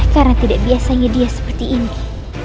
karena tidak biasanya dia seperti ini